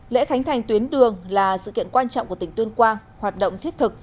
lễ khánh thành tuyến đường là sự kiện quan trọng của tỉnh tuyên quang hoạt động thiết thực